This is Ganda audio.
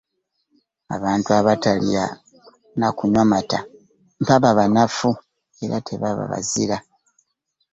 Abantu abatalya na kunywa mata baba banafu. era tebaba bazira.